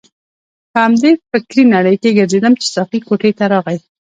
په همدې فکرې نړۍ کې ګرځیدم چې ساقي کوټې ته راغی.